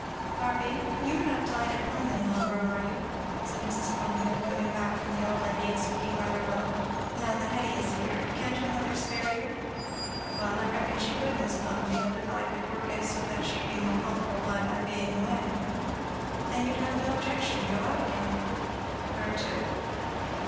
"Barby, you are not tied at home any longer, are you?" said Mrs. Plumfield, coming back from the old lady and speaking rather low; "now that Hetty is here, can't your mother spare you?" "Well I reckon she could, Mis' Plumfield, if I could work it so that she'd be more comfortable by my being away." "Then you'd have no objection to go out again?" "Where to?"